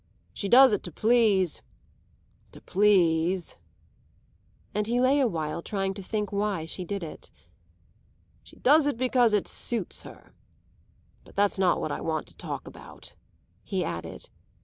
She does it to please to please " And he lay a while trying to think why she did it. "She does it because it suits her. But that's not what I want to talk about," he added.